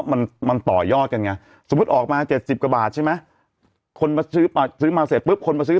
ก็ไม่อยากสนัดสนุนเขาก็บอกไม่ไม่ต้องซื้อ